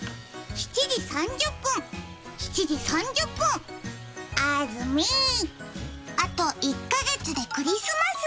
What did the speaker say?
７時３０分、７時３０分あずみ、あと１カ月でクリスマス。